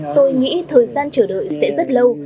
tôi nghĩ thời gian chờ đợi sẽ rất lâu